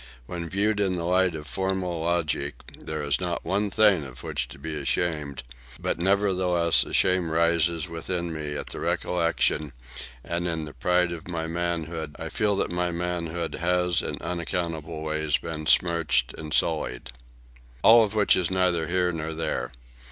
When viewed in the light of formal logic, there is not one thing of which to be ashamed; but nevertheless a shame rises within me at the recollection, and in the pride of my manhood I feel that my manhood has in unaccountable ways been smirched and sullied. All of which is neither here nor there.